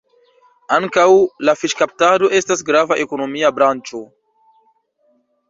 Ankaŭ la fiŝkaptado estas grava ekonomia branĉo.